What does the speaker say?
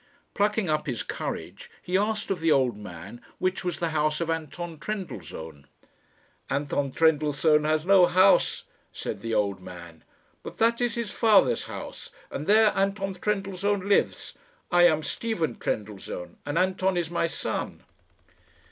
Plucking up his courage, he asked of the old man which was the house of Anton Trendellsohn. "Anton Trendellsohn has no house," said the old man; "but that is his father's house, and there Anton Trendellsohn lives. I am Stephen Trendellsohn, and Anton is my son."